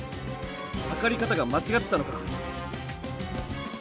はかり方が間ちがってたのか！